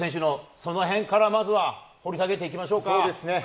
そのへんから、まずは掘り下げていきましょうか。